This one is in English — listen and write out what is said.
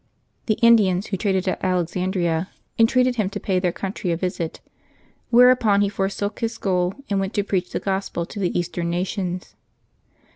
The Indians who traded at Alexandria entreated him to pay their country a visit, whereupon he forsook his school and went to preach the Gospel to the Eastern nations.